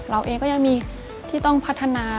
เราเองก็ยังมีที่ต้องพัฒนา